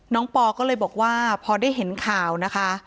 ปอก็เลยบอกว่าพอได้เห็นข่าวนะคะ